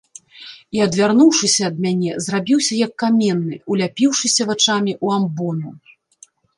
І, адвярнуўшыся ад мяне, зрабіўся, як каменны, уляпіўшыся вачамі ў амбону.